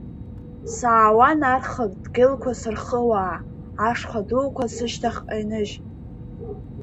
Саауан арха дгьылқәа сырхыууа, ашха дуқәа сышьҭахьҟа иныжь.